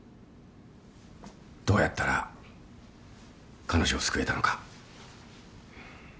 どうやったら彼女を救えたのか。